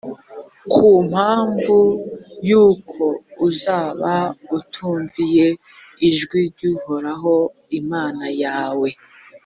ku mpamvu y’uko uzaba utumviye ijwi ry’uhoraho imana yawe.